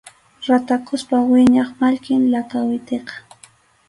Ratakuspa wiñaq mallkim lakawitiqa.